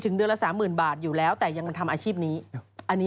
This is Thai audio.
ถึงเดือนละ๓๐๐๐๐บาทอยู่แล้วแต่ยังทำอาชีพนี้